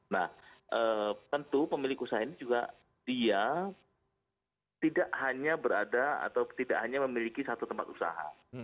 nah tentu pemilik usaha ini juga dia tidak hanya berada atau tidak hanya memiliki satu tempat usaha